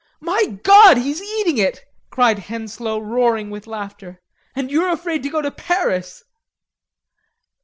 "My God, he's eating it," cried Henslowe, roaring with laughter, "and you're afraid to go to Paris."